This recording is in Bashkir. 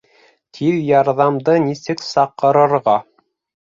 «Тиҙ ярҙам»ды нисек саҡырырға?